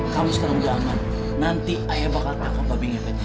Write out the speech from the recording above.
kamu sekarang udah aman nanti ayah bakal tangkap babi ngepetnya